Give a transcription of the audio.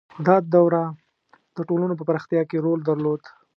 • دا دوره د ټولنو په پراختیا کې رول درلود.